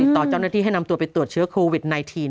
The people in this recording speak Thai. ต่อเจ้าหน้าที่ให้นำตัวไปตรวจเชื้อโควิด๑๙